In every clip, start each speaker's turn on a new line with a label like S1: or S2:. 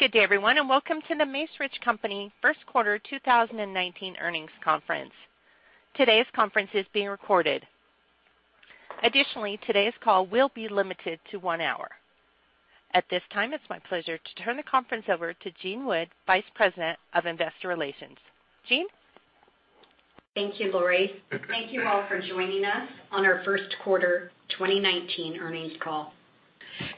S1: Good day everyone, welcome to The Macerich Company first quarter 2019 earnings conference. Today's conference is being recorded. Additionally, today's call will be limited to one hour. At this time, it's my pleasure to turn the conference over to Jean Wood, Vice President of Investor Relations. Jean?
S2: Thank you, Laurie. Thank you all for joining us on our first quarter 2019 earnings call.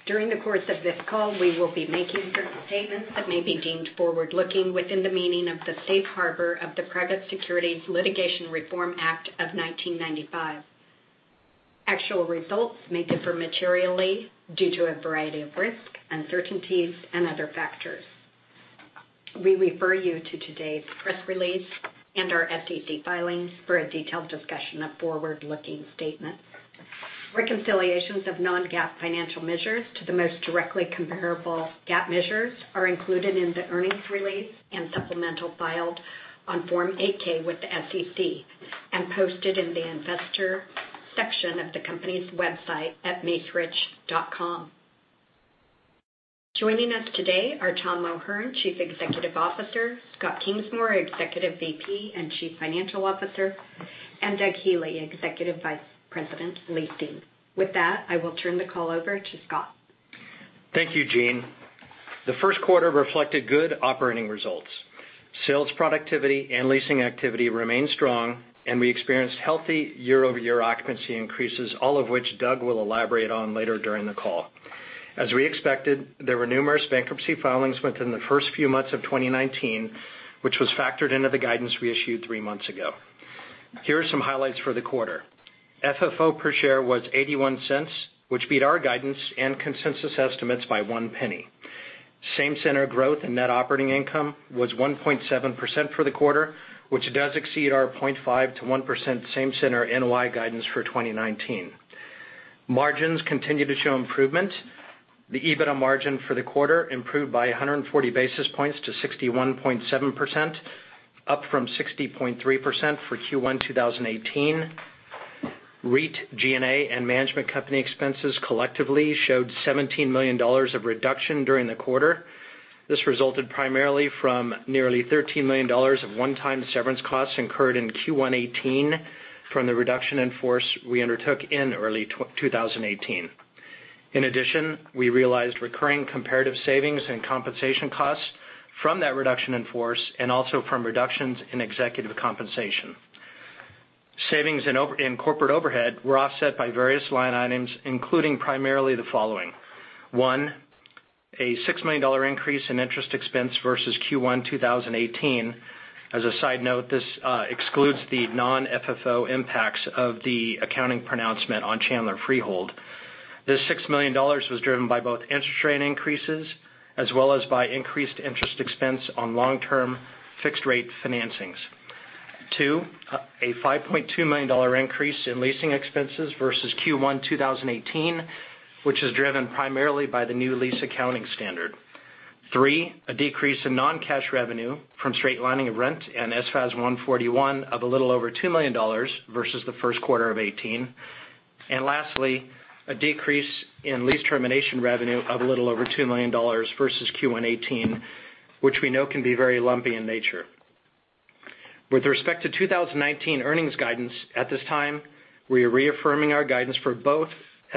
S2: During the course of this call, we will be making certain statements that may be deemed forward-looking within the meaning of the safe harbor of the Private Securities Litigation Reform Act of 1995. Actual results may differ materially due to a variety of risks, uncertainties, and other factors. We refer you to today's press release and our SEC filings for a detailed discussion of forward-looking statements. Reconciliations of non-GAAP financial measures to the most directly comparable GAAP measures are included in the earnings release and supplemental filed on Form 8-K with the SEC and posted in the investor section of the company's website at macerich.com. Joining us today are Tom O'Hern, Chief Executive Officer, Scott Kingsmore, Executive VP and Chief Financial Officer, and Doug Healey, Executive Vice President, Leasing. With that, I will turn the call over to Scott.
S3: Thank you, Jean. The first quarter reflected good operating results. Sales productivity and leasing activity remained strong, and we experienced healthy year-over-year occupancy increases, all of which Doug will elaborate on later during the call. As we expected, there were numerous bankruptcy filings within the first few months of 2019, which was factored into the guidance we issued three months ago. Here are some highlights for the quarter. FFO per share was $0.81, which beat our guidance and consensus estimates by $0.01. Same-center growth in net operating income was 1.7% for the quarter, which does exceed our 0.5%-1.0% same-center NOI guidance for 2019. Margins continue to show improvement. The EBITDA margin for the quarter improved by 140 basis points to 61.7%, up from 60.3% for Q1 2018. REIT G&A and management company expenses collectively showed $17 million of reduction during the quarter. This resulted primarily from nearly $13 million of one-time severance costs incurred in Q1 2018 from the reduction in force we undertook in early 2018. In addition, we realized recurring comparative savings and compensation costs from that reduction in force and also from reductions in executive compensation. Savings in corporate overhead were offset by various line items, including primarily the following. One, a $6 million increase in interest expense versus Q1 2018. As a side note, this excludes the non-FFO impacts of the accounting pronouncement on Chandler Freehold. This $6 million was driven by both interest rate increases as well as by increased interest expense on long-term fixed-rate financings. Two, a $5.2 million increase in leasing expenses versus Q1 2018, which is driven primarily by the new lease accounting standard. Three, a decrease in non-cash revenue from straight lining of rent and SFAS 141 of a little over $2 million versus the first quarter of 2018. Lastly, a decrease in lease termination revenue of a little over $2 million versus Q1 2018, which we know can be very lumpy in nature. With respect to 2019 earnings guidance, at this time, we are reaffirming our guidance for both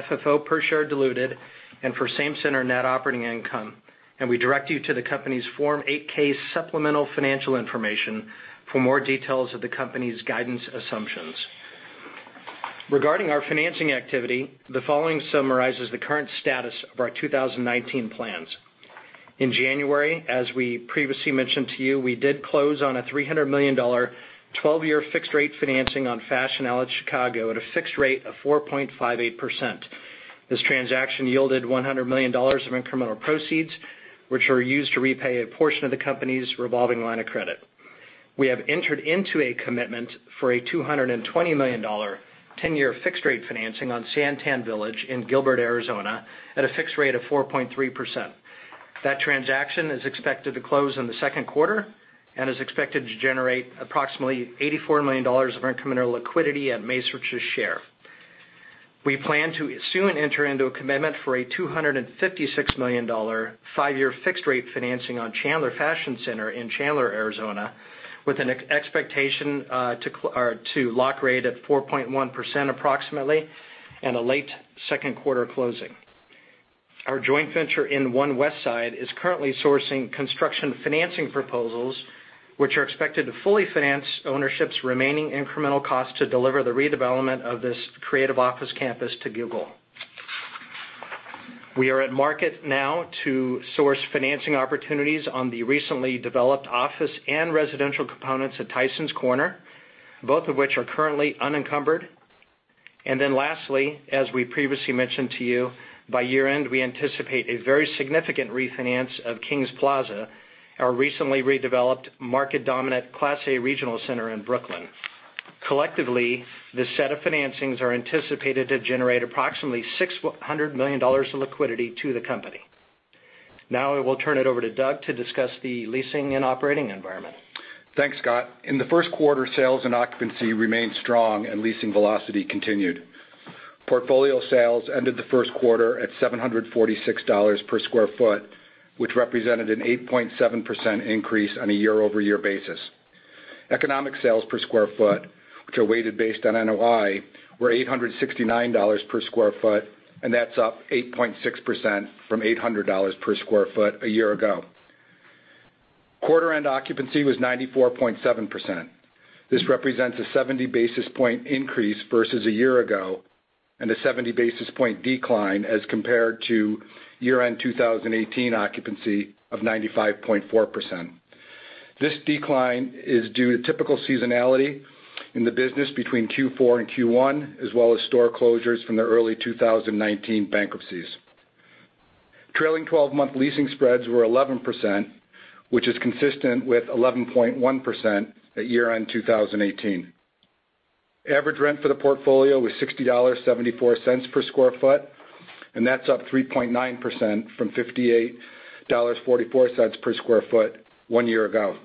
S3: FFO per share diluted and for same-center net operating income, and we direct you to the company's Form 8-K supplemental financial information for more details of the company's guidance assumptions. Regarding our financing activity, the following summarizes the current status of our 2019 plans. In January, as we previously mentioned to you, we did close on a $300 million 12-year fixed-rate financing on Fashion Outlets Chicago at a fixed rate of 4.58%. This transaction yielded $100 million of incremental proceeds, which were used to repay a portion of the company's revolving line of credit. We have entered into a commitment for a $220 million 10-year fixed-rate financing on SanTan Village in Gilbert, Arizona at a fixed rate of 4.3%. That transaction is expected to close in the second quarter and is expected to generate approximately $84 million of incremental liquidity at Macerich's share. We plan to soon enter into a commitment for a $256 million five-year fixed-rate financing on Chandler Fashion Center in Chandler, Arizona, with an expectation to lock rate at 4.1% approximately and a late second quarter closing. Our joint venture in One Westside is currently sourcing construction financing proposals, which are expected to fully finance ownership's remaining incremental cost to deliver the redevelopment of this creative office campus to Google. We are at market now to source financing opportunities on the recently developed office and residential components at Tysons Corner, both of which are currently unencumbered. Lastly, as we previously mentioned to you, by year-end, we anticipate a very significant refinance of Kings Plaza, our recently redeveloped market-dominant Class A regional center in Brooklyn. Collectively, this set of financings are anticipated to generate approximately $600 million in liquidity to the company. Now I will turn it over to Doug to discuss the leasing and operating environment.
S4: Thanks, Scott. In the first quarter, sales and occupancy remained strong and leasing velocity continued. Portfolio sales ended the first quarter at $746 per square foot, which represented an 8.7% increase on a year-over-year basis. Economic sales per square foot, which are weighted based on NOI, were $869 per square foot, that's up 8.6% from $800 per square foot a year ago. Quarter end occupancy was 94.7%. This represents a 70 basis point increase versus a year ago, and a 70 basis point decline as compared to year-end 2018 occupancy of 95.4%. This decline is due to typical seasonality in the business between Q4 and Q1, as well as store closures from the early 2019 bankruptcies. Trailing 12-month leasing spreads were 11%, which is consistent with 11.1% at year-end 2018. Average rent for the portfolio was $60.74 per square foot, and that's up 3.9% from $58.44 per square foot one year ago.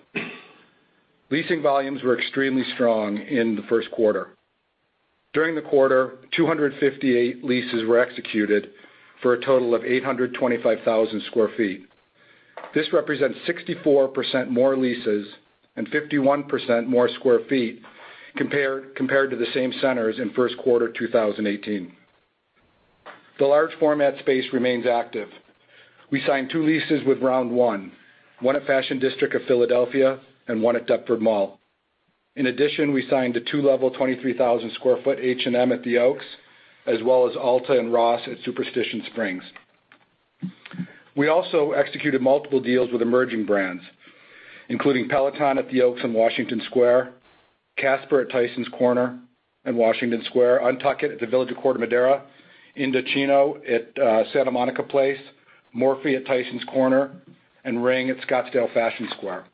S4: Leasing volumes were extremely strong in the first quarter. During the quarter, 258 leases were executed for a total of 825,000 square feet. This represents 64% more leases and 51% more square feet compared to the same centers in first quarter 2018. The large format space remains active. We signed two leases with Round One, one at Fashion District of Philadelphia and one at Deptford Mall. In addition, we signed a two-level 23,000 square foot H&M at The Oaks, as well as Ulta and Ross at Superstition Springs. We also executed multiple deals with emerging brands, including Peloton at The Oaks and Washington Square, Casper at Tysons Corner and Washington Square, UNTUCKit at the Village of Corte Madera, Indochino at Santa Monica Place, Morphe at Tysons Corner, and Ring at Scottsdale Fashion Square.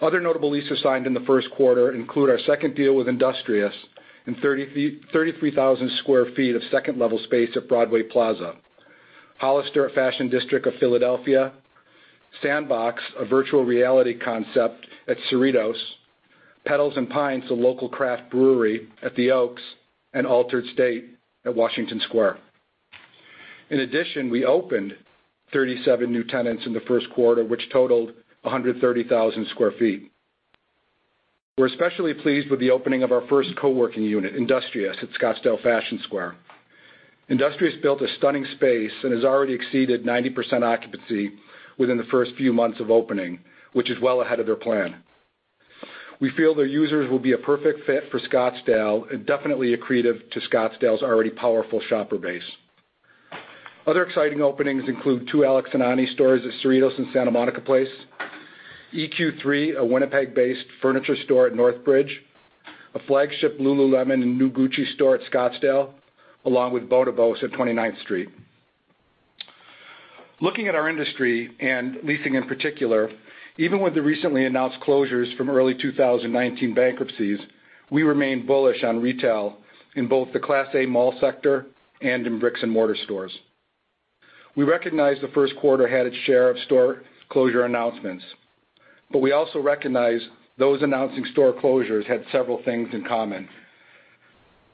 S4: Other notable leases signed in the first quarter include our second deal with Industrious in 33,000 square feet of second-level space at Broadway Plaza, Hollister at Fashion District of Philadelphia, Sandbox, a virtual reality concept at Cerritos, Pedals & Pints, a local craft brewery at The Oaks, and Altar'd State at Washington Square. In addition, we opened 37 new tenants in the first quarter, which totaled 130,000 square feet. We're especially pleased with the opening of our first co-working unit, Industrious, at Scottsdale Fashion Square. Industrious built a stunning space and has already exceeded 90% occupancy within the first few months of opening, which is well ahead of their plan. We feel their users will be a perfect fit for Scottsdale and definitely accretive to Scottsdale's already powerful shopper base. Other exciting openings include two Alex and Ani stores at Cerritos and Santa Monica Place, EQ3, a Winnipeg-based furniture store at Northbridge, a flagship Lululemon and new Gucci store at Scottsdale, along with Bottega Veneta at 29th Street. Looking at our industry and leasing in particular, even with the recently announced closures from early 2019 bankruptcies, we remain bullish on retail in both the class A mall sector and in bricks and mortar stores. We recognize the first quarter had its share of store closure announcements, but we also recognize those announcing store closures had several things in common.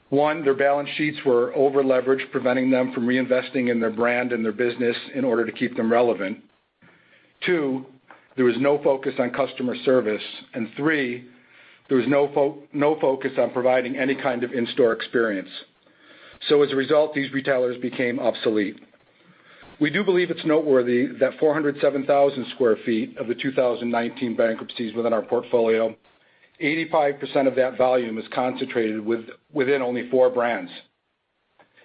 S4: One, their balance sheets were over-leveraged, preventing them from reinvesting in their brand and their business in order to keep them relevant. Two, there was no focus on customer service. Three, there was no focus on providing any kind of in-store experience. As a result, these retailers became obsolete. We do believe it's noteworthy that 407,000 sq ft of the 2019 bankruptcies within our portfolio, 85% of that volume is concentrated within only four brands.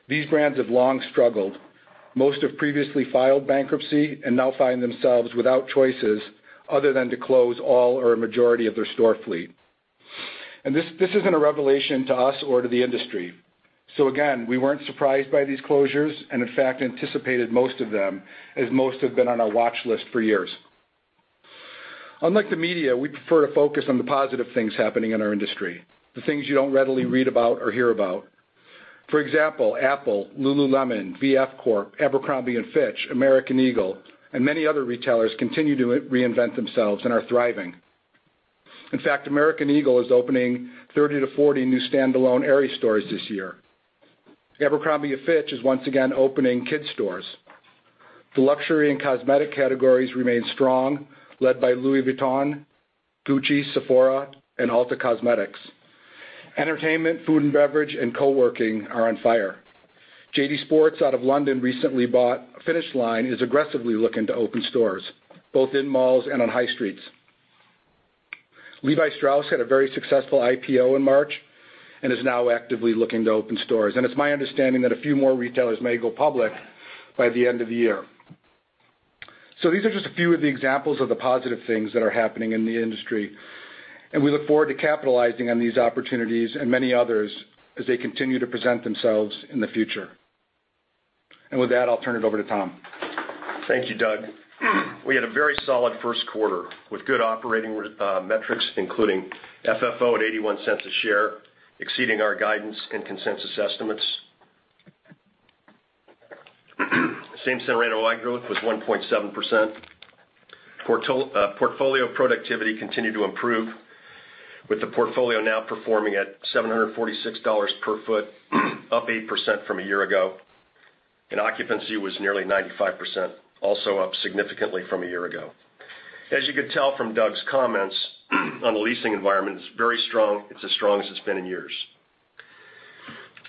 S4: These brands have long struggled. Most have previously filed bankruptcy and now find themselves without choices other than to close all or a majority of their store fleet. This isn't a revelation to us or to the industry. Again, we weren't surprised by these closures, and in fact, anticipated most of them, as most have been on our watch list for years. Unlike the media, we prefer to focus on the positive things happening in our industry, the things you don't readily read about or hear about. For example, Apple, Lululemon, VF Corp, Abercrombie & Fitch, American Eagle, many other retailers continue to reinvent themselves and are thriving. In fact, American Eagle is opening 30 to 40 new standalone Aerie stores this year. Abercrombie & Fitch is once again opening kids stores. The luxury and cosmetic categories remain strong, led by Louis Vuitton, Gucci, Sephora, and Ulta Beauty. Entertainment, food and beverage, and co-working are on fire. JD Sports out of London recently bought Finish Line, is aggressively looking to open stores both in malls and on high streets. Levi Strauss had a very successful IPO in March and is now actively looking to open stores. It's my understanding that a few more retailers may go public by the end of the year. These are just a few of the examples of the positive things that are happening in the industry, and we look forward to capitalizing on these opportunities and many others as they continue to present themselves in the future. With that, I'll turn it over to Tom.
S5: Thank you, Doug. We had a very solid first quarter with good operating metrics, including FFO at $0.81 a share, exceeding our guidance and consensus estimates. Same-center NOI growth was 1.7%. Portfolio productivity continued to improve, with the portfolio now performing at $746 per foot, up 8% from a year ago, and occupancy was nearly 95%, also up significantly from a year ago. As you could tell from Doug's comments on the leasing environment, it's very strong. It's as strong as it's been in years.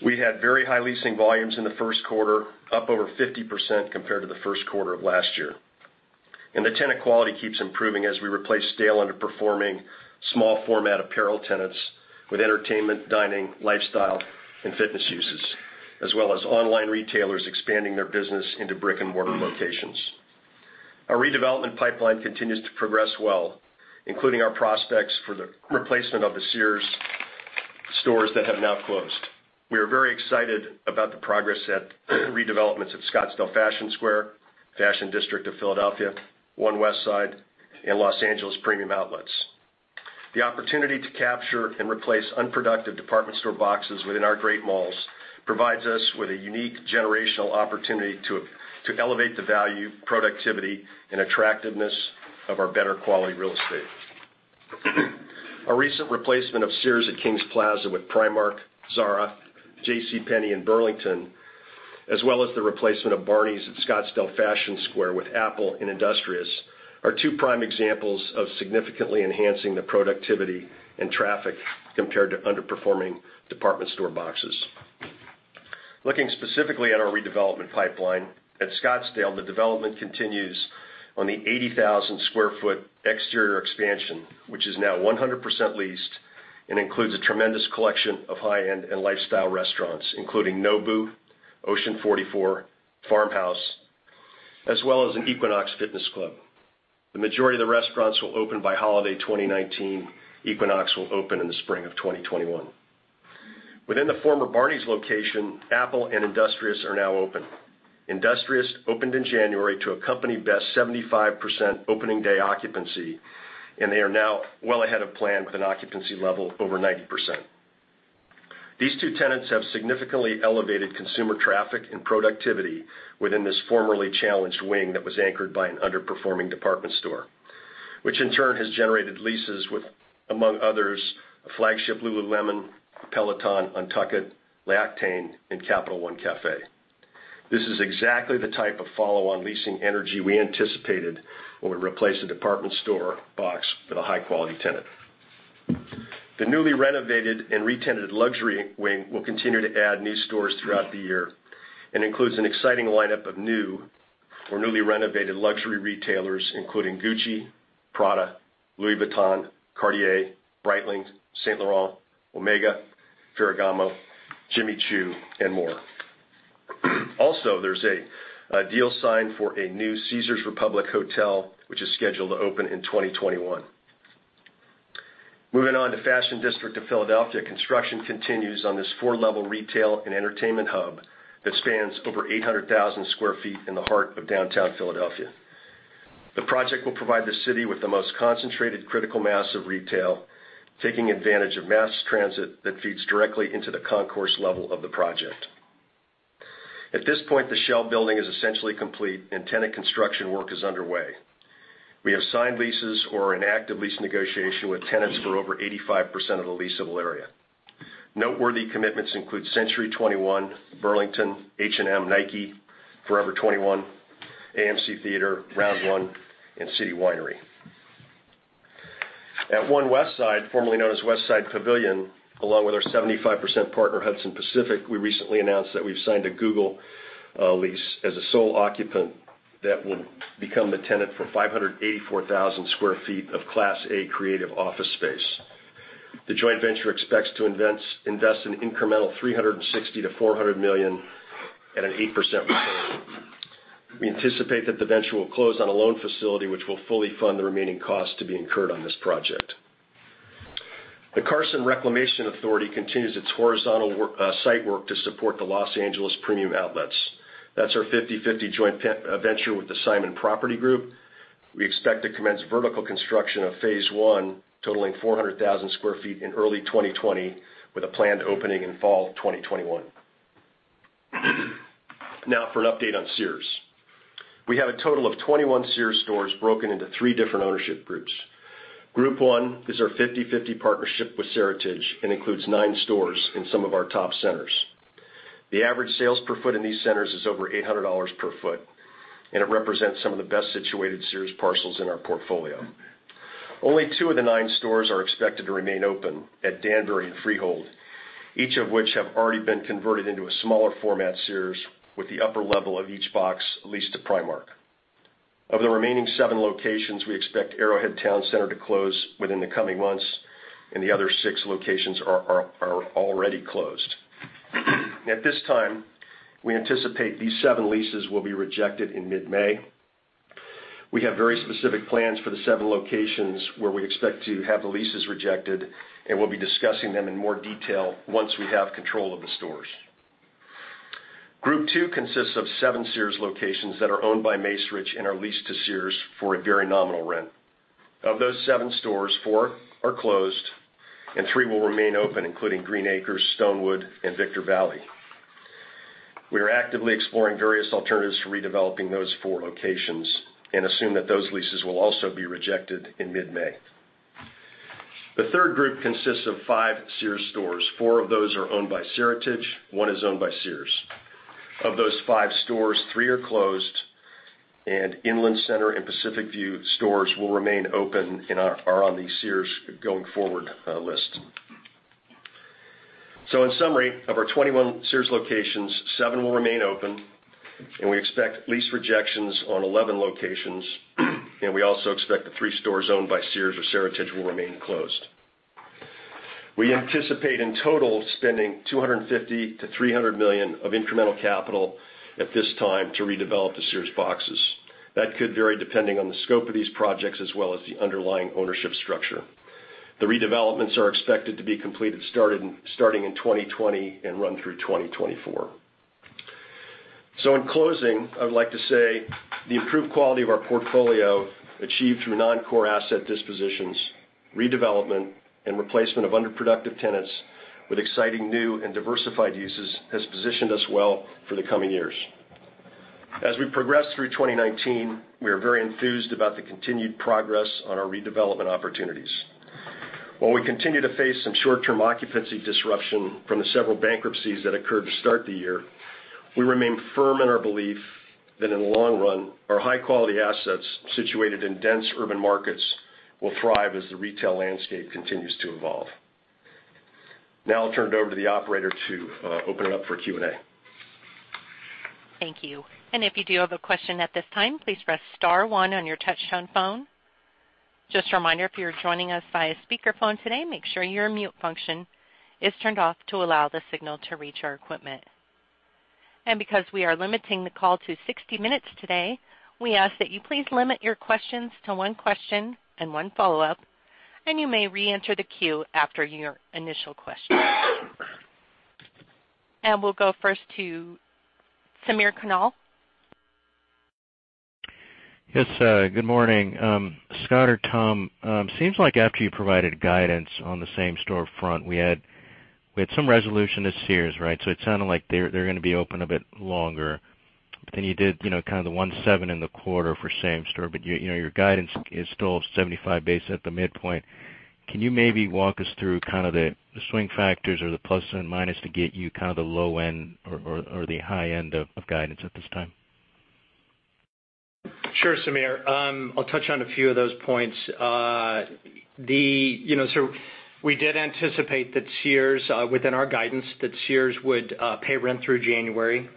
S5: We had very high leasing volumes in the first quarter, up over 50% compared to the first quarter of last year. The tenant quality keeps improving as we replace stale, underperforming small format apparel tenants with entertainment, dining, lifestyle, and fitness uses, as well as online retailers expanding their business into brick-and-mortar locations. Our redevelopment pipeline continues to progress well, including our prospects for the replacement of the Sears stores that have now closed. We are very excited about the progress at redevelopments of Scottsdale Fashion Square, Fashion District of Philadelphia, One Westside, and Los Angeles Premium Outlets. The opportunity to capture and replace unproductive department store boxes within our great malls provides us with a unique generational opportunity to elevate the value, productivity, and attractiveness of our better quality real estate. A recent replacement of Sears at Kings Plaza with Primark, Zara, JCPenney, and Burlington, as well as the replacement of Barneys at Scottsdale Fashion Square with Apple and Industrious, are two prime examples of significantly enhancing the productivity and traffic compared to underperforming department store boxes. Looking specifically at our redevelopment pipeline, at Scottsdale, the development continues on the 80,000 sq ft exterior expansion, which is now 100% leased and includes a tremendous collection of high-end and lifestyle restaurants, including Nobu, Ocean 44, Farmhouse, as well as an Equinox fitness club. The majority of the restaurants will open by holiday 2019. Equinox will open in the spring of 2021. Within the former Barneys location, Apple and Industrious are now open. Industrious opened in January to a company best 75% opening day occupancy, and they are now well ahead of plan with an occupancy level over 90%. These two tenants have significantly elevated consumer traffic and productivity within this formerly challenged wing that was anchored by an underperforming department store, which in turn has generated leases with, among others, a flagship Lululemon, Peloton, UNTUCKit, Lacoste, and Capital One Café. This is exactly the type of follow-on leasing energy we anticipated when we replaced a department store box with a high-quality tenant. The newly renovated and re-tenanted luxury wing will continue to add new stores throughout the year and includes an exciting lineup of new or newly renovated luxury retailers, including Gucci, Prada, Louis Vuitton, Cartier, Breitling, Saint Laurent, Omega, Ferragamo, Jimmy Choo, and more. Also, there's a deal signed for a new Caesars Republic Hotel, which is scheduled to open in 2021. Moving on to Fashion District of Philadelphia, construction continues on this four-level retail and entertainment hub that spans over 800,000 sq ft in the heart of downtown Philadelphia. The project will provide the city with the most concentrated critical mass of retail, taking advantage of mass transit that feeds directly into the concourse level of the project. At this point, the shell building is essentially complete, and tenant construction work is underway. We have signed leases or are in active lease negotiation with tenants for over 85% of the leasable area. Noteworthy commitments include Century 21, Burlington, H&M, Nike, Forever 21, AMC Theatres, Round One, and City Winery. At One Westside, formerly known as Westside Pavilion, along with our 75% partner, Hudson Pacific, we recently announced that we've signed a Google lease as a sole occupant that will become the tenant for 584,000 square feet of Class A creative office space. The joint venture expects to invest an incremental $360 million-$400 million at an 8% return. We anticipate that the venture will close on a loan facility which will fully fund the remaining costs to be incurred on this project. The Carson Reclamation Authority continues its horizontal site work to support the Los Angeles Premium Outlets. That's our 50/50 joint venture with the Simon Property Group. We expect to commence vertical construction of phase 1, totaling 400,000 square feet in early 2020 with a planned opening in fall 2021. For an update on Sears. We have a total of 21 Sears stores broken into three different ownership groups. Group 1 is our 50/50 partnership with Seritage and includes nine stores in some of our top centers. The average sales per foot in these centers is over $800 per foot, and it represents some of the best situated Sears parcels in our portfolio. Only two of the nine stores are expected to remain open, at Danbury and Freehold, each of which have already been converted into a smaller format Sears with the upper level of each box leased to Primark. Of the remaining seven locations, we expect Arrowhead Town Center to close within the coming months, and the other six locations are already closed. At this time, we anticipate these seven leases will be rejected in mid-May. We have very specific plans for the seven locations where we expect to have the leases rejected, and we'll be discussing them in more detail once we have control of the stores. Group 2 consists of seven Sears locations that are owned by Macerich and are leased to Sears for a very nominal rent. Of those seven stores, four are closed and three will remain open, including Green Acres, Stonewood, and Victor Valley. We are actively exploring various alternatives to redeveloping those four locations and assume that those leases will also be rejected in mid-May. Group 3 consists of five Sears stores. Four of those are owned by Seritage, one is owned by Sears. Of those five stores, three are closed, and Inland Center and Pacific View stores will remain open and are on the Sears going-forward list. In summary, of our 21 Sears locations, seven will remain open, and we expect lease rejections on 11 locations. We also expect the three stores owned by Sears or Seritage will remain closed. We anticipate in total spending $250 million-$300 million of incremental capital at this time to redevelop the Sears boxes. That could vary depending on the scope of these projects as well as the underlying ownership structure. The redevelopments are expected to be completed starting in 2020 and run through 2024. In closing, I would like to say the improved quality of our portfolio achieved through non-core asset dispositions, redevelopment, and replacement of underproductive tenants with exciting new and diversified uses has positioned us well for the coming years. As we progress through 2019, we are very enthused about the continued progress on our redevelopment opportunities. While we continue to face some short-term occupancy disruption from the several bankruptcies that occurred to start the year, we remain firm in our belief that in the long run, our high-quality assets situated in dense urban markets will thrive as the retail landscape continues to evolve. I'll turn it over to the operator to open it up for Q&A.
S1: Thank you. If you do have a question at this time, please press star one on your touchtone phone. Just a reminder, if you're joining us via speaker phone today, make sure your mute function is turned off to allow the signal to reach our equipment. Because we are limiting the call to 60 minutes today, we ask that you please limit your questions to one question and one follow-up, and you may reenter the queue after your initial question. We'll go first to Samir Khanal.
S6: Yes, good morning. Scott or Tom, seems like after you provided guidance on the same-store front, we had some resolution to Sears, right? It sounded like they're going to be open a bit longer. You did kind of the 1.7 in the quarter for same store, but your guidance is still 75 basis points at the midpoint. Can you maybe walk us through kind of the swing factors or the plus and minus to get you kind of the low end or the high end of guidance at this time?
S5: Sure, Samir. I'll touch on a few of those points. We did anticipate within our guidance that Sears would pay rent through January.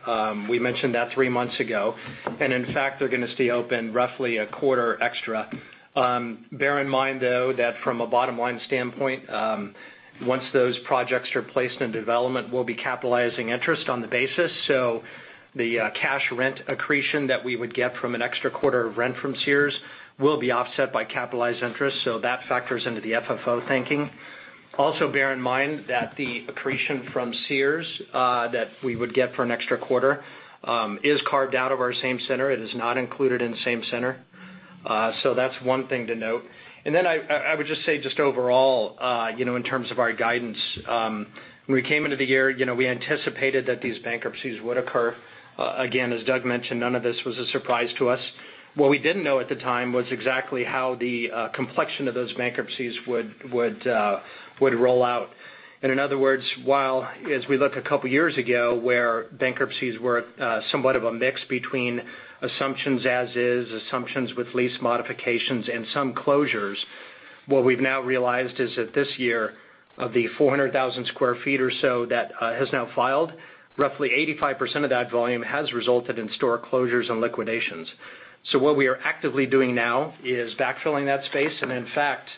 S5: We mentioned that three months ago. In fact, they're going to stay open roughly a quarter extra. Bear in mind, though, that from a bottom-line standpoint, once those projects are placed in development, we'll be capitalizing interest on the basis. The cash rent accretion that we would get from an extra quarter of rent from Sears will be offset by capitalized interest. That factors into the FFO thinking. Also, bear in mind that the accretion from Sears that we would get for an extra quarter is carved out of our same center. It is not included in the same center. That's one thing to note. I would just say just overall, in terms of our guidance, when we came into the year, we anticipated that these bankruptcies would occur. Again, as Doug mentioned, none of this was a surprise to us. What we didn't know at the time was exactly how the complexion of those bankruptcies would roll out. In other words, while as we look a couple of years ago, where bankruptcies were somewhat of a mix between assumptions as is, assumptions with lease modifications, and some closures, what we've now realized is that this year, of the 400,000 sq ft or so that has now filed, roughly 85% of that volume has resulted in store closures and liquidations. What we are actively doing now is backfilling that space, and in fact,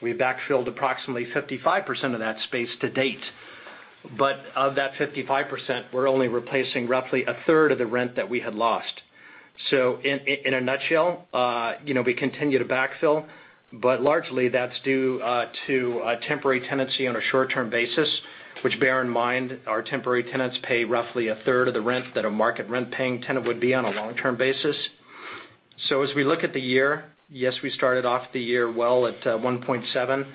S5: we backfilled approximately 55% of that space to date. Of that 55%, we're only replacing roughly a third of the rent that we had lost. In a nutshell, we continue to backfill, but largely that's due to a temporary tenancy on a short-term basis, which bear in mind, our temporary tenants pay roughly a third of the rent that a market rent-paying tenant would be on a long-term basis. As we look at the year, yes, we started off the year well at 1.7,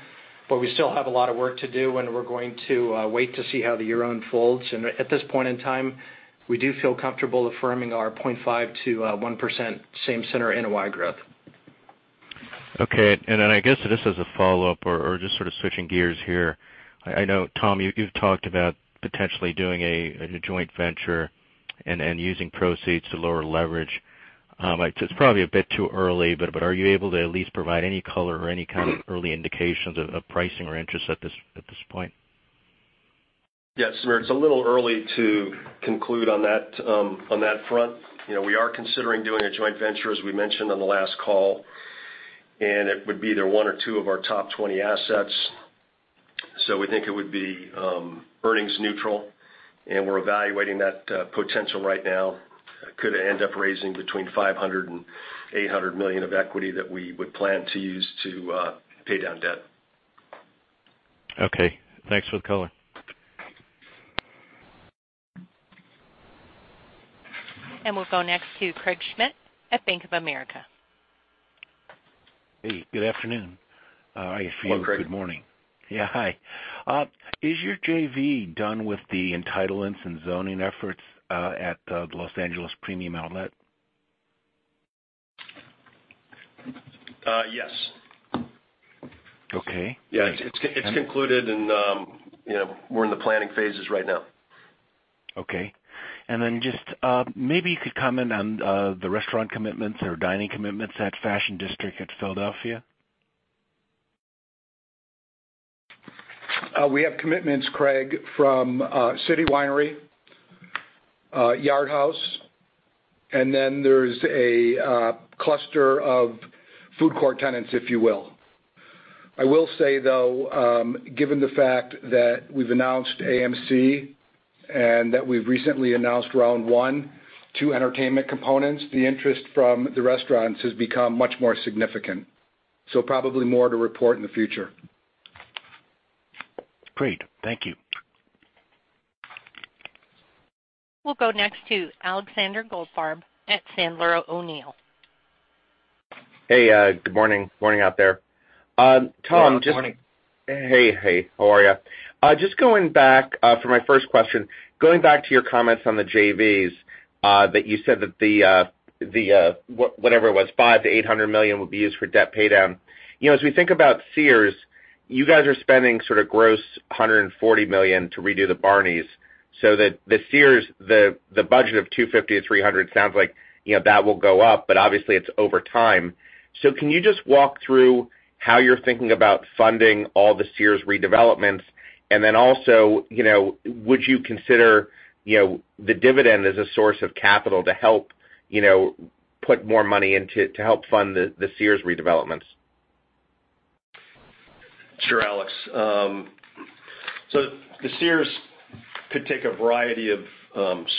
S5: but we still have a lot of work to do, and we're going to wait to see how the year unfolds. At this point in time, we do feel comfortable affirming our 0.5%-1% same center NOI growth.
S6: I guess just as a follow-up or just sort of switching gears here. I know, Tom, you've talked about potentially doing a joint venture and using proceeds to lower leverage. It's probably a bit too early, but are you able to at least provide any color or any kind of early indications of pricing or interest at this point?
S5: Yes, Samir, it's a little early to conclude on that front. We are considering doing a joint venture, as we mentioned on the last call, and it would be either one or two of our top 20 assets. We think it would be earnings neutral, and we're evaluating that potential right now. Could end up raising between $500 million and $800 million of equity that we would plan to use to pay down debt.
S6: Okay. Thanks for the color.
S1: We'll go next to Craig Schmidt at Bank of America.
S7: Hey, good afternoon.
S5: Hello, Craig.
S7: I guess for you, good morning. Yeah, hi. Is your JV done with the entitlements and zoning efforts at the Los Angeles Premium Outlet?
S5: Yes.
S7: Okay.
S5: Yeah. It's concluded. We're in the planning phases right now.
S7: Okay. Then just maybe you could comment on the restaurant commitments or dining commitments at Fashion District at Philadelphia.
S5: We have commitments, Craig, from City Winery, Yard House, there's a cluster of food court tenants, if you will. I will say, though, given the fact that we've announced AMC and that we've recently announced Round One, two entertainment components, the interest from the restaurants has become much more significant. Probably more to report in the future.
S7: Great. Thank you.
S1: We'll go next to Alexander Goldfarb at Sandler O'Neill.
S8: Hey, good morning. Morning out there.
S5: Good morning.
S8: Tom, hey. How are you? Just going back, for my first question, going back to your comments on the JVs, that you said that the, whatever it was, $5 million-$800 million would be used for debt pay down. As we think about Sears, you guys are spending sort of gross $140 million to redo the Barneys. The Sears, the budget of $250 million-$300 million sounds like that will go up, but obviously it's over time. Can you just walk through how you're thinking about funding all the Sears redevelopments? Also, would you consider the dividend as a source of capital to help put more money in to help fund the Sears redevelopments?
S5: Sure, Alex. The Sears could take a variety of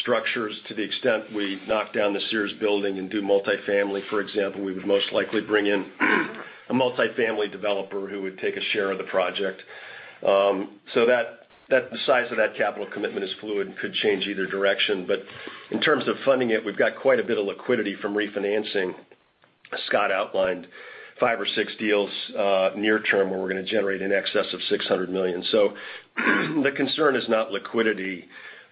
S5: structures to the extent we knock down the Sears building and do multifamily. For example, we would most likely bring in a multifamily developer who would take a share of the project. The size of that capital commitment is fluid and could change either direction. In terms of funding it, we've got quite a bit of liquidity from refinancing. Scott outlined five or six deals near term where we're going to generate in excess of $600 million. The concern is not liquidity.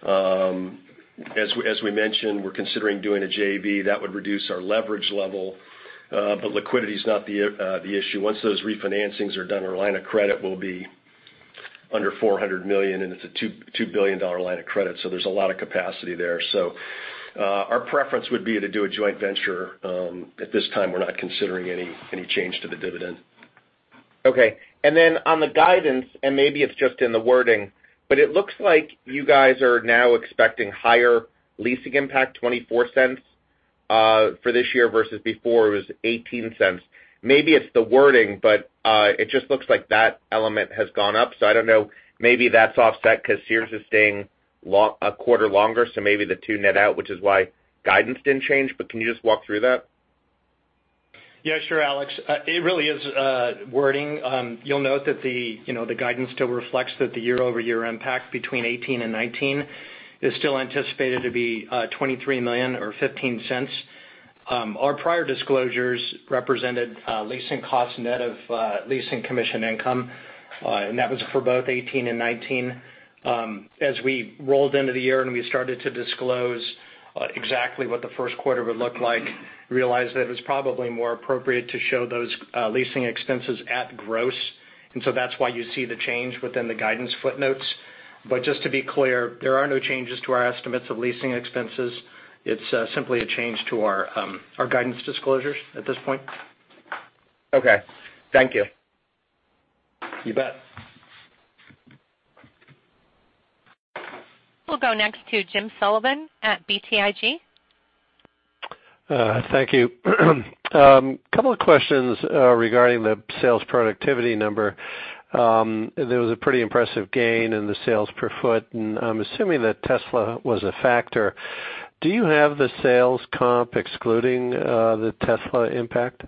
S5: As we mentioned, we're considering doing a JV. That would reduce our leverage level. Liquidity is not the issue. Once those refinancings are done, our line of credit will be under $400 million, and it's a $2 billion line of credit, there's a lot of capacity there. Our preference would be to do a joint venture. At this time, we're not considering any change to the dividend.
S8: Okay. On the guidance, and maybe it's just in the wording, but it looks like you guys are now expecting higher leasing impact, $0.24, for this year versus before it was $0.18. Maybe it's the wording, but it just looks like that element has gone up. I don't know, maybe that's offset because Sears is staying a quarter longer, maybe the two net out, which is why guidance didn't change. Can you just walk through that?
S3: Yeah, sure, Alex. It really is wording. You'll note that the guidance still reflects that the year-over-year impact between 2018 and 2019 is still anticipated to be $23 million or $0.15. Our prior disclosures represented leasing costs net of leasing commission income. That was for both 2018 and 2019. As we rolled into the year and we started to disclose exactly what the first quarter would look like, realized that it was probably more appropriate to show those leasing expenses at gross. That's why you see the change within the guidance footnotes. Just to be clear, there are no changes to our estimates of leasing expenses. It's simply a change to our guidance disclosures at this point.
S8: Okay. Thank you.
S3: You bet.
S1: We'll go next to James Sullivan at BTIG.
S9: Thank you. Couple of questions regarding the sales productivity number. There was a pretty impressive gain in the sales per foot, and I'm assuming that Tesla was a factor. Do you have the sales comp excluding the Tesla impact?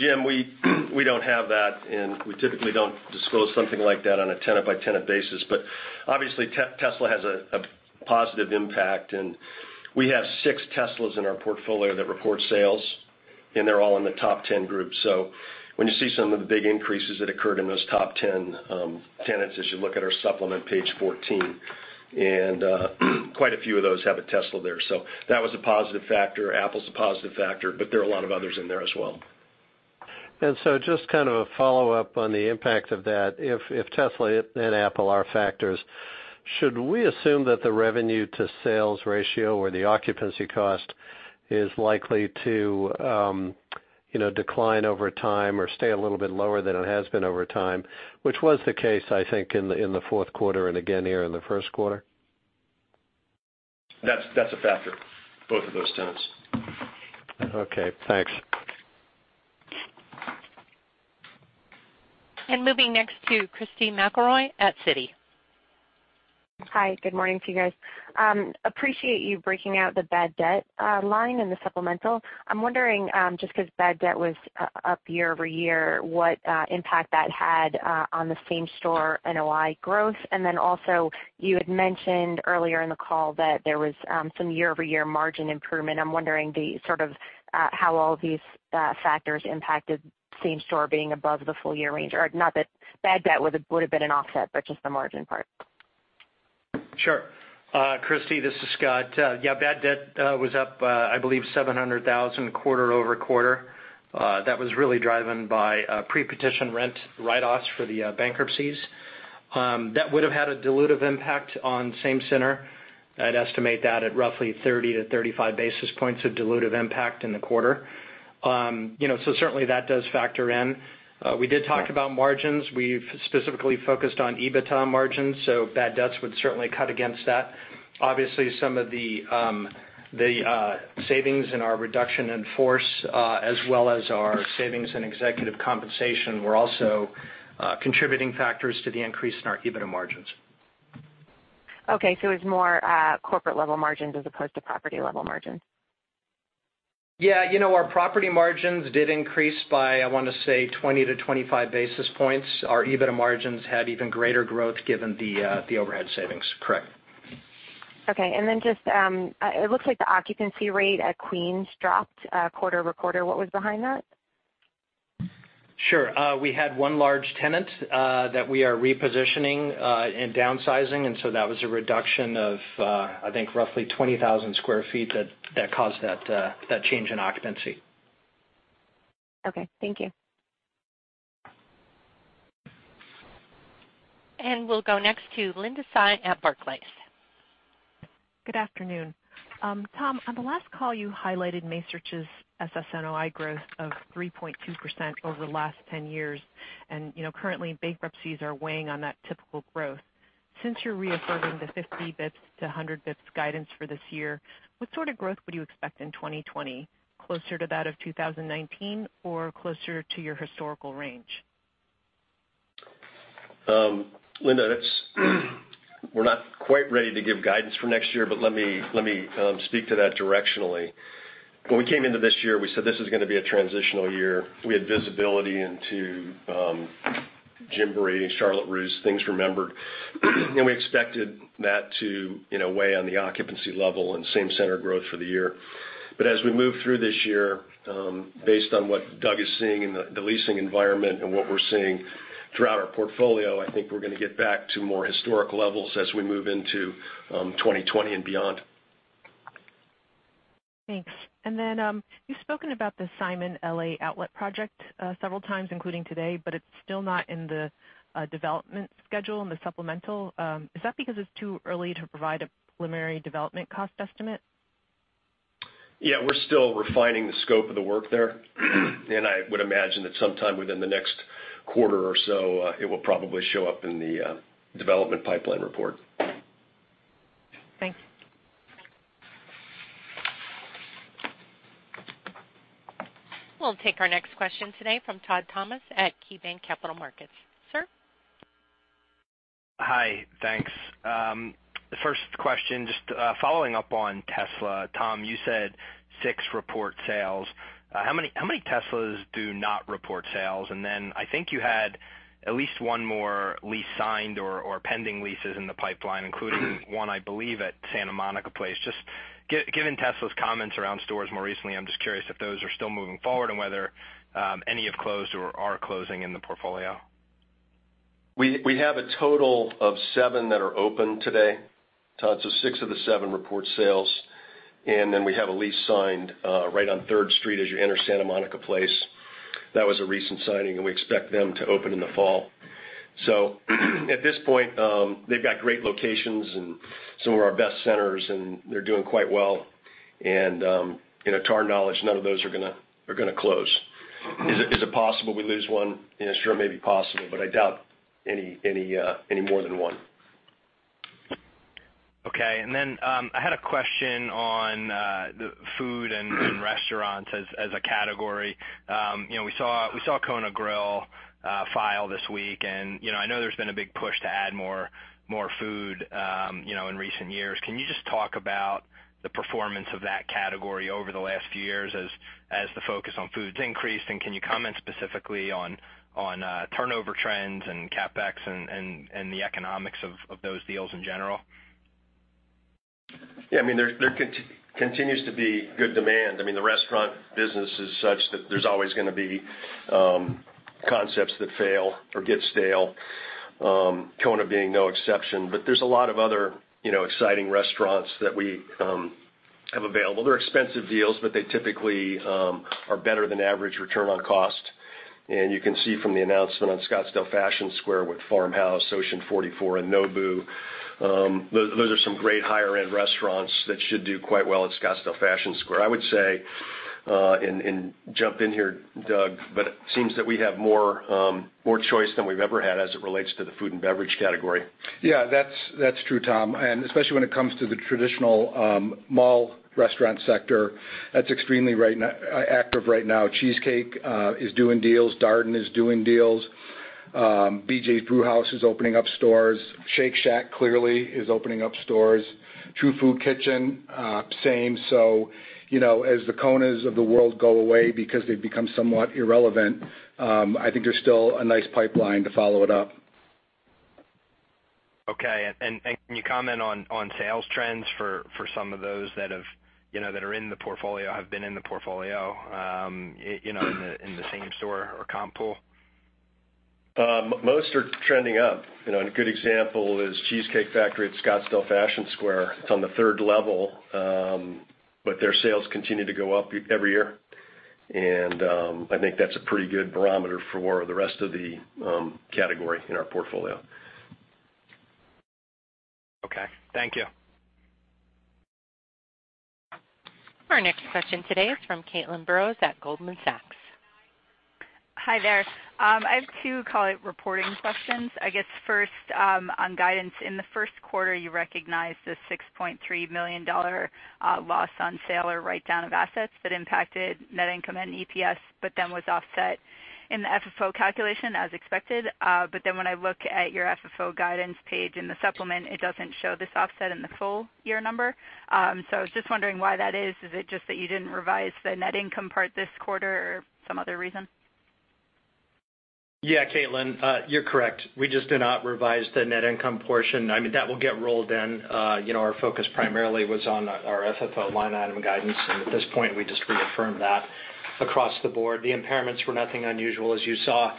S5: Jim, we don't have that. We typically don't disclose something like that on a tenant-by-tenant basis. Obviously, Tesla has a positive impact. We have six Teslas in our portfolio that report sales, and they're all in the top 10 groups. When you see some of the big increases that occurred in those top 10 tenants, as you look at our supplement, page 14, quite a few of those have a Tesla there. That was a positive factor. Apple's a positive factor, there are a lot of others in there as well.
S9: Just kind of a follow-up on the impact of that. If Tesla and Apple are factors, should we assume that the revenue-to-sales ratio or the occupancy cost is likely to decline over time or stay a little bit lower than it has been over time, which was the case, I think, in the fourth quarter and again here in the first quarter?
S5: That's a factor, both of those tenants.
S9: Okay, thanks.
S1: Moving next to Christy McElroy at Citi.
S10: Hi. Good morning to you guys. Appreciate you breaking out the bad debt line in the supplemental. I'm wondering, just because bad debt was up year-over-year, what impact that had on the same-store NOI growth. Also, you had mentioned earlier in the call that there was some year-over-year margin improvement. I'm wondering how all these factors impacted same-store being above the full-year range, or not that bad debt would have been an offset, but just the margin part.
S3: Sure. Christy, this is Scott. Yeah, bad debt was up, I believe $700,000 quarter-over-quarter. That was really driven by pre-petition rent write-offs for the bankruptcies. That would have had a dilutive impact on same-store. I'd estimate that at roughly 30 to 35 basis points of dilutive impact in the quarter. Certainly, that does factor in. We did talk about margins. We've specifically focused on EBITDA margins, so bad debts would certainly cut against that. Obviously, some of the savings in our reduction in force, as well as our savings in executive compensation, were also contributing factors to the increase in our EBITDA margins.
S10: It's more corporate-level margins as opposed to property-level margins.
S3: Yeah. Our property margins did increase by, I want to say, 20-25 basis points. Our EBITDA margins had even greater growth given the overhead savings. Correct.
S10: It looks like the occupancy rate at Queens dropped quarter-over-quarter. What was behind that?
S3: Sure. We had one large tenant that we are repositioning and downsizing, that was a reduction of, I think, roughly 20,000 sq ft that caused that change in occupancy.
S10: Okay. Thank you.
S1: We'll go next to Linda Tsai at Barclays.
S11: Good afternoon. Tom, on the last call you highlighted Macerich's SSNOI growth of 3.2% over the last 10 years. Currently, bankruptcies are weighing on that typical growth. Since you're re-affirming the 50 basis points to 100 basis points guidance for this year, what sort of growth would you expect in 2020, closer to that of 2019 or closer to your historical range?
S5: Linda, we're not quite ready to give guidance for next year. Let me speak to that directionally. When we came into this year, we said this is going to be a transitional year. We had visibility into Gymboree, Charlotte Russe, Things Remembered, and we expected that to weigh on the occupancy level and same-center growth for the year. As we move through this year, based on what Doug is seeing in the leasing environment and what we're seeing throughout our portfolio, I think we're going to get back to more historic levels as we move into 2020 and beyond.
S11: Thanks. Then, you've spoken about the Simon L.A. Outlet project several times, including today, but it's still not in the development schedule in the supplemental. Is that because it's too early to provide a preliminary development cost estimate?
S5: Yeah, we're still refining the scope of the work there. I would imagine that sometime within the next quarter or so, it will probably show up in the development pipeline report.
S11: Thanks.
S1: We'll take our next question today from Todd Thomas at KeyBanc Capital Markets. Sir?
S12: Hi. Thanks. First question, just following up on Tesla. Tom, you said six report sales. How many Teslas do not report sales? Then I think you had at least one more lease signed or pending leases in the pipeline, including one, I believe, at Santa Monica Place. Just given Tesla's comments around stores more recently, I'm just curious if those are still moving forward and whether any have closed or are closing in the portfolio.
S5: We have a total of seven that are open today, Todd. Six of the seven report sales, we have a lease signed right on 3rd Street as you enter Santa Monica Place. That was a recent signing, and we expect them to open in the fall. At this point, they've got great locations and some of our best centers, they're doing quite well. To our knowledge, none of those are going to close. Is it possible we lose one? Sure, it may be possible, but I doubt any more than one.
S12: I had a question on the food and restaurants as a category. We saw Kona Grill file this week, and I know there's been a big push to add more food in recent years. Can you just talk about the performance of that category over the last few years as the focus on food's increased? Can you comment specifically on turnover trends and CapEx and the economics of those deals in general?
S5: There continues to be good demand. The restaurant business is such that there's always going to be concepts that fail or get stale, Kona being no exception. There's a lot of other exciting restaurants that we have available. They're expensive deals, but they typically are better than average return on cost. You can see from the announcement on Scottsdale Fashion Square with Farmhouse, Ocean 44, and Nobu, those are some great higher-end restaurants that should do quite well at Scottsdale Fashion Square. I would say, and jump in here, Doug, but it seems that we have more choice than we've ever had as it relates to the food and beverage category.
S4: That's true, Tom, and especially when it comes to the traditional mall restaurant sector. That's extremely active right now. Cheesecake is doing deals. Darden is doing deals.
S5: BJ's Brewhouse is opening up stores. Shake Shack, clearly, is opening up stores. True Food Kitchen, same. As the Konas of the world go away because they've become somewhat irrelevant, I think there's still a nice pipeline to follow it up.
S12: Okay. Can you comment on sales trends for some of those that have been in the portfolio, in the same store or comp pool?
S5: Most are trending up. A good example is Cheesecake Factory at Scottsdale Fashion Square. It's on the third level, but their sales continue to go up every year. I think that's a pretty good barometer for the rest of the category in our portfolio.
S12: Okay. Thank you.
S1: Our next question today is from Caitlin Burrows at Goldman Sachs.
S13: Hi there. I have two call it reporting questions. I guess first, on guidance. In the first quarter, you recognized a $6.3 million loss on sale or write-down of assets that impacted net income and EPS, but then was offset in the FFO calculation as expected. When I look at your FFO guidance page in the supplement, it doesn't show this offset in the full year number. I was just wondering why that is. Is it just that you didn't revise the net income part this quarter or some other reason?
S3: Yeah, Caitlin. You're correct. We just did not revise the net income portion. I mean, that will get rolled in. Our focus primarily was on our FFO line item guidance, and at this point, we just reaffirmed that across the board. The impairments were nothing unusual. As you saw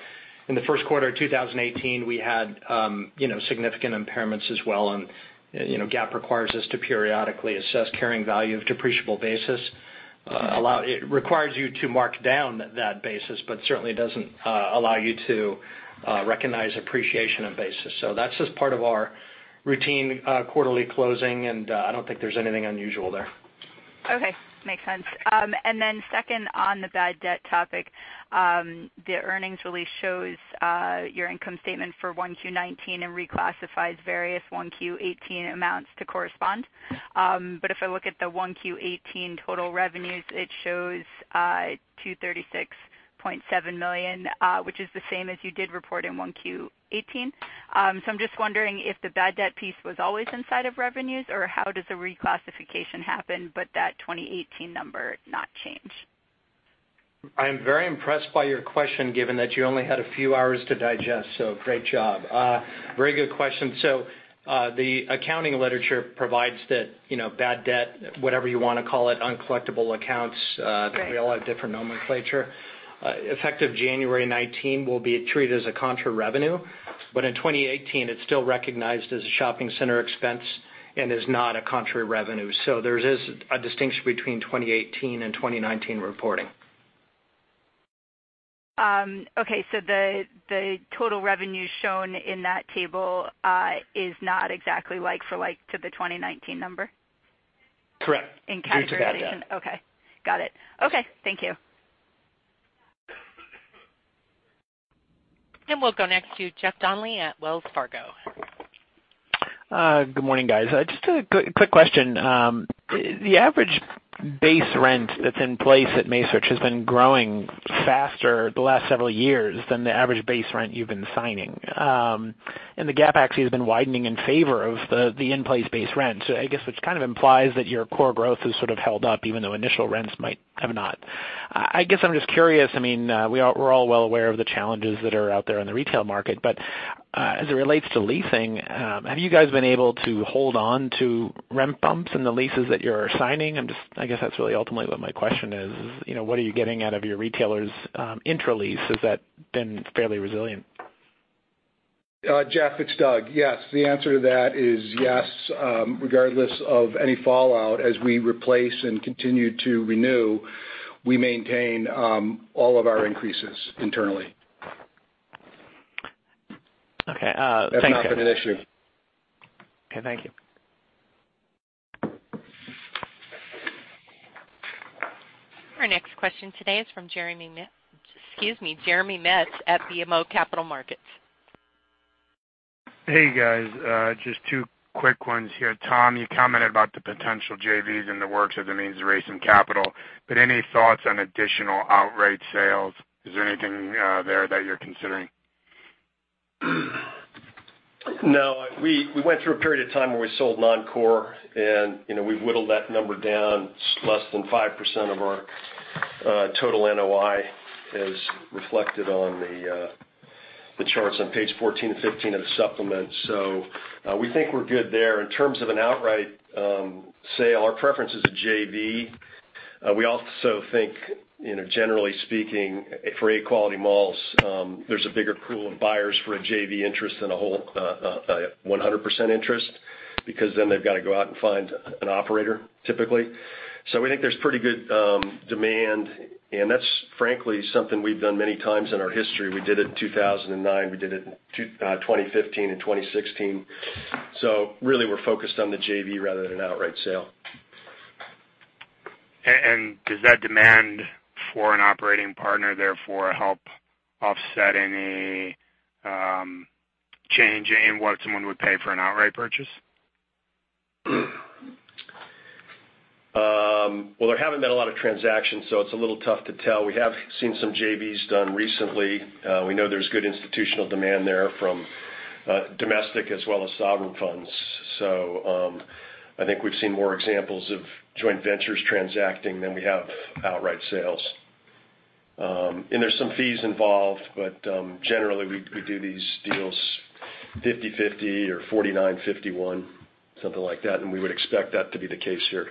S3: in the first quarter of 2018, we had significant impairments as well and GAAP requires us to periodically assess carrying value of depreciable basis. It requires you to mark down that basis, but certainly doesn't allow you to recognize appreciation of basis. That's just part of our routine quarterly closing, and I don't think there's anything unusual there.
S13: Okay. Makes sense. Second, on the bad debt topic, the earnings release shows your income statement for 1Q19 and reclassifies various 1Q18 amounts to correspond. If I look at the 1Q18 total revenues, it shows $236.7 million, which is the same as you did report in 1Q18. I'm just wondering if the bad debt piece was always inside of revenues, or how does the reclassification happen but that 2018 number not change?
S3: I am very impressed by your question, given that you only had a few hours to digest. Great job. Very good question. The accounting literature provides that bad debt, whatever you want to call it, uncollectible accounts.
S13: Right
S3: They all have different nomenclature. Effective January 19 will be treated as a contra revenue. In 2018, it's still recognized as a shopping center expense and is not a contra revenue. There is a distinction between 2018 and 2019 reporting.
S13: Okay. The total revenue shown in that table is not exactly like for like to the 2019 number?
S3: Correct.
S13: In calculation.
S3: Due to bad debt.
S13: Okay. Got it. Okay. Thank you.
S1: We'll go next to Jeffrey Donnelly at Wells Fargo.
S14: Good morning, guys. Just a quick question. The average base rent that's in place at Macerich has been growing faster the last several years than the average base rent you've been signing. The gap actually has been widening in favor of the in-place base rent. I guess which kind of implies that your core growth is sort of held up even though initial rents might have not. I guess I'm just curious, we're all well aware of the challenges that are out there in the retail market, but, as it relates to leasing, have you guys been able to hold on to rent bumps in the leases that you're signing? I guess that's really ultimately what my question is. What are you getting out of your retailers intra-lease? Has that been fairly resilient?
S4: Jeff, it's Doug. Yes. The answer to that is yes. Regardless of any fallout as we replace and continue to renew, we maintain all of our increases internally.
S14: Okay. Thank you.
S5: That's not been an issue.
S14: Okay. Thank you.
S1: Our next question today is from Jeremy Metz at BMO Capital Markets.
S15: Hey, guys. Just two quick ones here. Tom, you commented about the potential JVs in the works as a means of raising capital. Any thoughts on additional outright sales? Is there anything there that you're considering?
S5: No. We went through a period of time where we sold non-core and we've whittled that number down less than 5% of our total NOI as reflected on the charts on page 14 and 15 of the supplement. We think we're good there. In terms of an outright sale, our preference is a JV. We also think, generally speaking, for A quality malls, there's a bigger pool of buyers for a JV interest than a whole 100% interest, because then they've got to go out and find an operator, typically. We think there's pretty good demand, and that's frankly something we've done many times in our history. We did it in 2009, we did it in 2015 and 2016. Really, we're focused on the JV rather than an outright sale.
S15: Does that demand for an operating partner therefore help offset any change in what someone would pay for an outright purchase?
S5: Well, there haven't been a lot of transactions, so it's a little tough to tell. We have seen some JVs done recently. We know there's good institutional demand there from domestic as well as sovereign funds. I think we've seen more examples of joint ventures transacting than we have outright sales. There's some fees involved, but generally, we do these deals 50/50 or 49/51, something like that, and we would expect that to be the case here.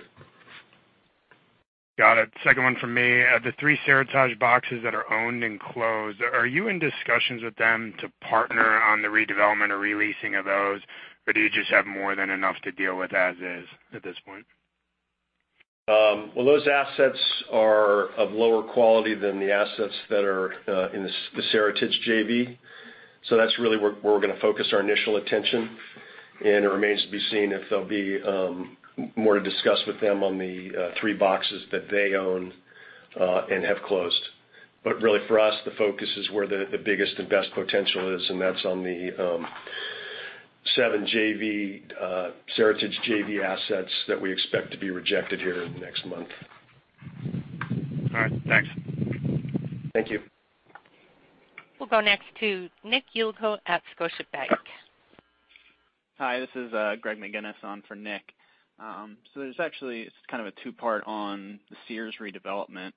S15: Got it. Second one from me. The three Seritage boxes that are owned and closed, are you in discussions with them to partner on the redevelopment or re-leasing of those, or do you just have more than enough to deal with as is at this point?
S5: Well, those assets are of lower quality than the assets that are in the Seritage JV. That's really where we're going to focus our initial attention, and it remains to be seen if there'll be more to discuss with them on the three boxes that they own and have closed. Really, for us, the focus is where the biggest and best potential is, and that's on the seven Seritage JV assets that we expect to be rejected here in the next month.
S15: All right. Thanks.
S5: Thank you.
S1: We'll go next to Nicholas Yulico at Scotiabank.
S16: Hi, this is Greg McGinniss on for Nick. There's actually kind of a two-part on the Sears redevelopment.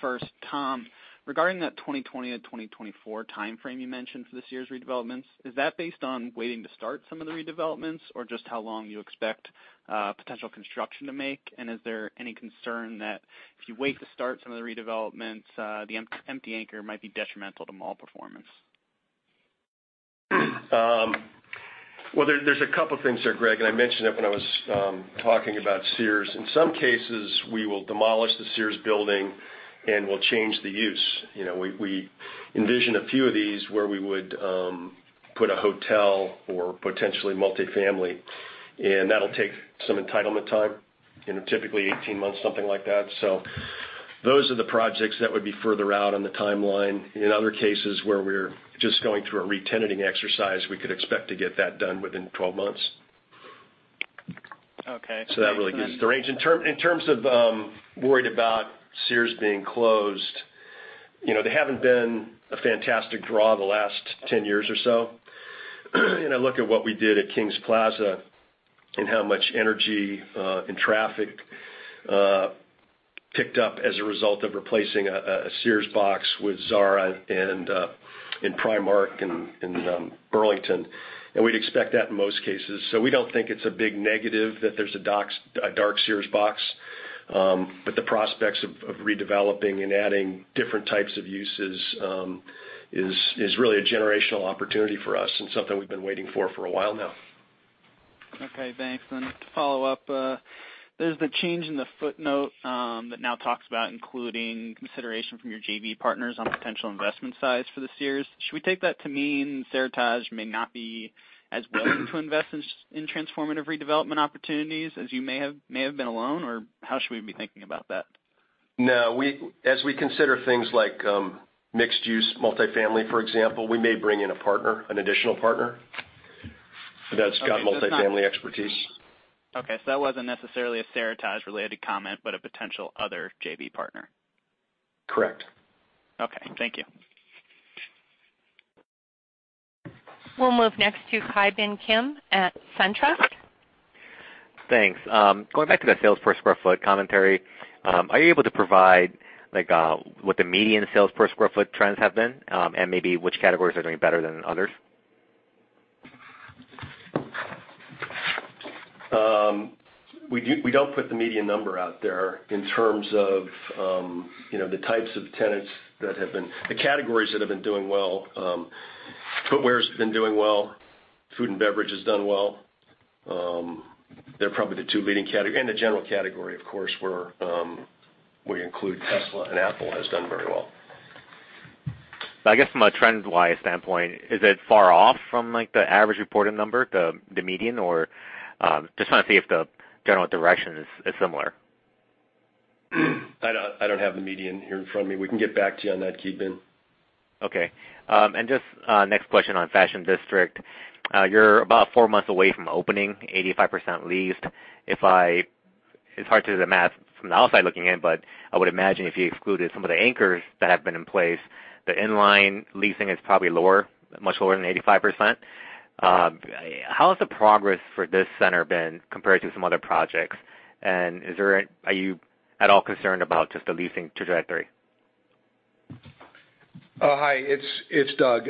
S16: First, Tom, regarding that 2020 to 2024 timeframe you mentioned for the Sears redevelopments, is that based on waiting to start some of the redevelopments, or just how long you expect potential construction to make? And is there any concern that if you wait to start some of the redevelopments, the empty anchor might be detrimental to mall performance?
S5: Well, there's a couple things there, Greg, and I mentioned it when I was talking about Sears. In some cases, we will demolish the Sears building, and we'll change the use. We envision a few of these where we would put a hotel or potentially multi-family, and that'll take some entitlement time, typically 18 months, something like that. Those are the projects that would be further out on the timeline. In other cases where we're just going through a re-tenanting exercise, we could expect to get that done within 12 months.
S16: Okay.
S5: That really gives the range. In terms of worried about Sears being closed, they haven't been a fantastic draw the last 10 years or so. We look at what we did at Kings Plaza and how much energy and traffic picked up as a result of replacing a Sears box with Zara and Primark in Burlington, and we'd expect that in most cases. We don't think it's a big negative that there's a dark Sears box. The prospects of redeveloping and adding different types of uses is really a generational opportunity for us and something we've been waiting for for a while now.
S16: Okay, thanks. To follow up, there's the change in the footnote that now talks about including consideration from your JV partners on potential investment size for the Sears. Should we take that to mean Seritage may not be as willing to invest in transformative redevelopment opportunities as you may have been alone, or how should we be thinking about that?
S5: No. As we consider things like mixed-use, multi-family, for example, we may bring in a partner, an additional partner that's got multi-family expertise.
S16: Okay. That wasn't necessarily a Seritage-related comment, but a potential other JV partner.
S5: Correct.
S16: Okay. Thank you.
S1: We'll move next to Ki Bin Kim at SunTrust.
S17: Thanks. Going back to that sales per square foot commentary, are you able to provide what the median sales per square foot trends have been, and maybe which categories are doing better than others?
S5: We don't put the median number out there in terms of the categories that have been doing well. Footwear has been doing well. Food and beverage has done well. They're probably the two leading category. The general category, of course, where we include Tesla and Apple, has done very well.
S17: I guess from a trend-wise standpoint, is it far off from the average reported number, the median, or just want to see if the general direction is similar?
S5: I don't have the median here in front of me. We can get back to you on that, Ki Bin.
S17: Okay. Just next question on Fashion District. You're about four months away from opening, 85% leased. It's hard to do the math from the outside looking in, but I would imagine if you excluded some of the anchors that have been in place, the in-line leasing is probably lower, much lower than 85%. How has the progress for this center been compared to some other projects? Are you at all concerned about just the leasing trajectory?
S4: Hi, it's Doug.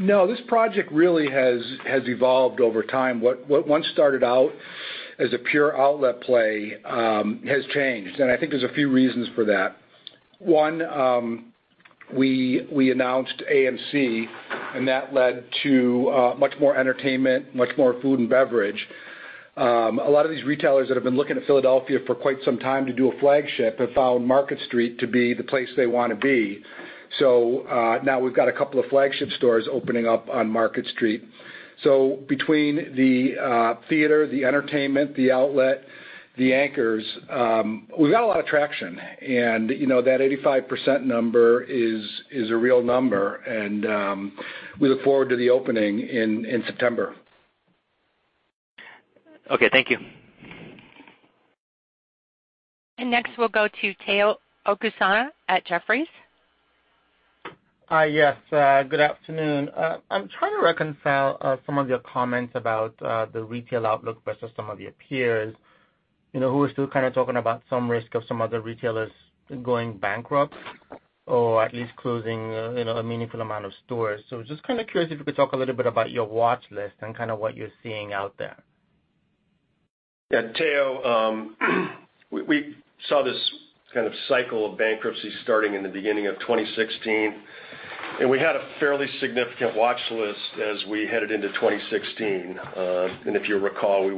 S4: No, this project really has evolved over time. What once started out as a pure outlet play has changed, and I think there's a few reasons for that. One, we announced AMC, and that led to much more entertainment, much more food and beverage. A lot of these retailers that have been looking at Philadelphia for quite some time to do a flagship have found Market Street to be the place they want to be. Now we've got a couple of flagship stores opening up on Market Street. Between the theater, the entertainment, the outlet, the anchors, we've got a lot of traction. That 85% number is a real number, and we look forward to the opening in September.
S17: Okay, thank you.
S1: Next, we'll go to Omotayo Okusanya at Jefferies.
S18: Hi, yes. Good afternoon. I'm trying to reconcile some of your comments about the retail outlook versus some of your peers who are still kind of talking about some risk of some other retailers going bankrupt or at least closing a meaningful amount of stores. Just kind of curious if you could talk a little bit about your watch list and kind of what you're seeing out there.
S5: Yeah, Tao, we saw this kind of cycle of bankruptcies starting in the beginning of 2016, we had a fairly significant watch list as we headed into 2016. If you recall, we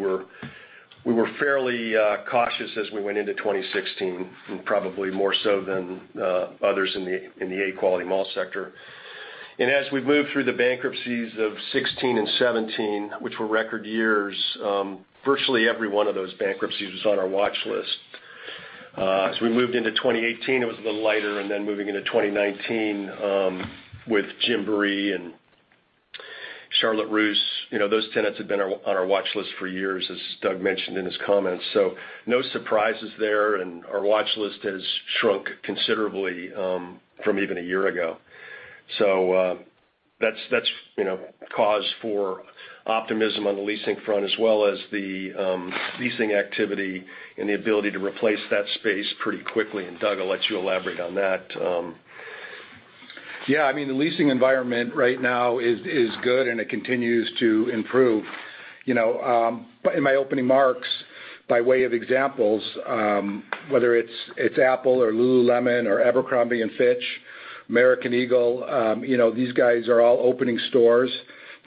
S5: were fairly cautious as we went into 2016, probably more so than others in the A quality mall sector. As we moved through the bankruptcies of 2016 and 2017, which were record years, virtually every one of those bankruptcies was on our watch list. As we moved into 2018, it was a little lighter, moving into 2019, with Gymboree and Charlotte Russe, those tenants had been on our watch list for years, as Doug mentioned in his comments. No surprises there, our watch list has shrunk considerably from even a year ago. That's cause for optimism on the leasing front as well as the leasing activity and the ability to replace that space pretty quickly. Doug, I'll let you elaborate on that. The leasing environment right now is good, and it continues to improve. In my opening marks, by way of examples, whether it's Apple or Lululemon or Abercrombie & Fitch, American Eagle, these guys are all opening stores.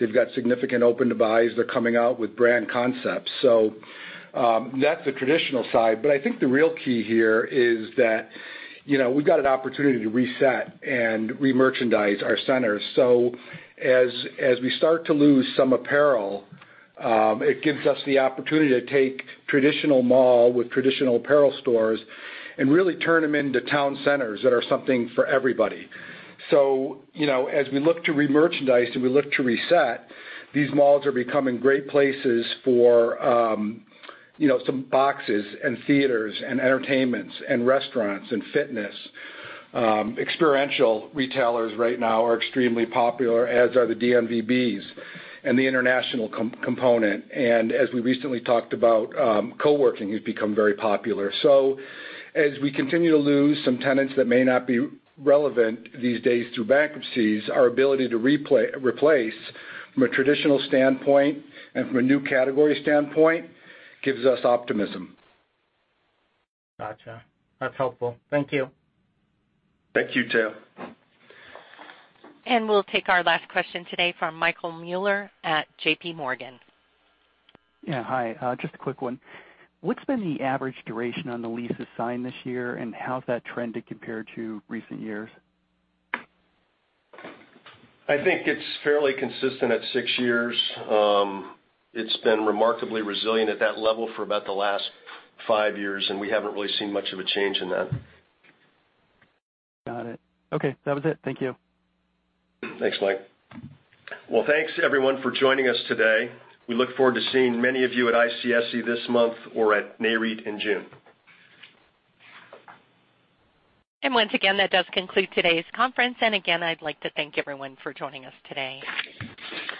S5: They've got significant open to buys. They're coming out with brand concepts. That's the traditional side. I think the real key here is that we've got an opportunity to reset and remerchandise our centers. As we start to lose some apparel, it gives us the opportunity to take traditional mall with traditional apparel stores and really turn them into town centers that are something for everybody. As we look to remerchandise and we look to reset, these malls are becoming great places for some boxes and theaters and entertainments and restaurants and fitness. Experiential retailers right now are extremely popular, as are the DNVBs and the international component. As we recently talked about, coworking has become very popular. As we continue to lose some tenants that may not be relevant these days through bankruptcies, our ability to replace from a traditional standpoint and from a new category standpoint gives us optimism.
S18: Gotcha. That's helpful. Thank you.
S5: Thank you, Tao.
S1: We'll take our last question today from Michael Mueller at J.P. Morgan.
S19: Yeah. Hi. Just a quick one. What's been the average duration on the leases signed this year, and how's that trended compared to recent years?
S5: I think it's fairly consistent at six years. It's been remarkably resilient at that level for about the last five years, and we haven't really seen much of a change in that.
S19: Got it. Okay, that was it. Thank you.
S5: Thanks, Mike. Well, thanks everyone for joining us today. We look forward to seeing many of you at ICSC this month or at Nareit in June.
S1: Once again, that does conclude today's conference. Again, I'd like to thank everyone for joining us today.
S20: Thank you.